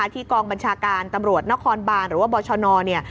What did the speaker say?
ที่กองบัญชาการตำรวจนครบานหรือว่าบอสชน